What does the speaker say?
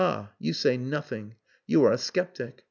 you say nothing. You are a sceptic.